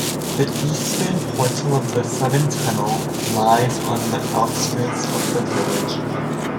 The eastern portal of the Severn Tunnel lies on the outskirts of the village.